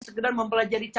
apa yang kita harus pelajari